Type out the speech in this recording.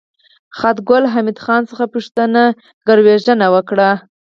خاد د ګل حمید خان څخه پوښتنې ګروېږنې وکړې